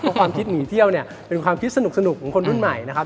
เพราะความคิดหนีเที่ยวเนี่ยเป็นความคิดสนุกของคนรุ่นใหม่นะครับ